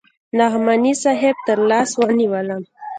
نعماني صاحب تر لاس ونيولم.